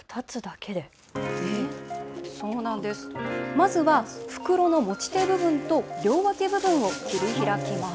まずは袋の持ち手部分と両脇部分を切り開きます。